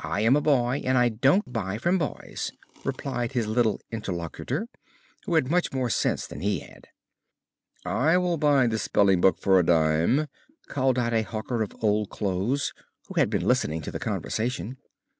"I am a boy and I don't buy from boys," replied his little interlocutor, who had much more sense than he had. "I will buy the spelling book for a dime," called out a hawker of old clothes, who had been listening to the conversation.